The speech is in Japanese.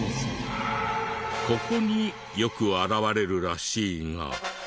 ここによく現れるらしいが。